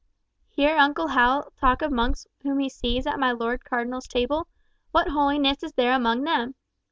"Hear uncle Hal talk of monks whom he sees at my Lord Cardinal's table! What holiness is there among them?